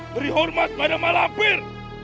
beri hormat pada malampir